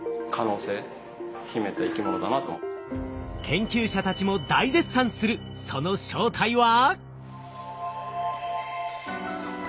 研究者たちも大絶賛するその正体は？